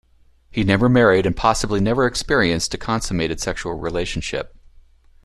He never married and possibly never experienced a consummated sexual relationship.